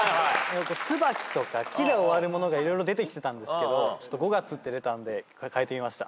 ツバキとか「キ」で終わるものが色々出てきてたんですけど５月って出たんで変えてみました。